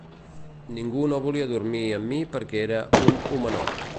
Ningú no volia dormir amb mi perquè era un “homenot”.